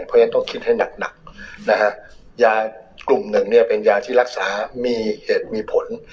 เพราะฉะนั้นต้องคิดให้หนักนะฮะยากลุ่มหนึ่งเนี่ยเป็นยาที่รักษามีเหตุมีผล